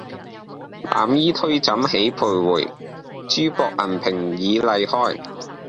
攬衣推枕起徘徊，珠箔銀屏迤邐開。